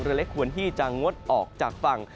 เล็กควรที่จะงดออกจากฝั่ง